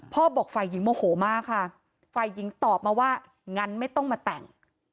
บอกฝ่ายหญิงโมโหมากค่ะฝ่ายหญิงตอบมาว่างั้นไม่ต้องมาแต่ง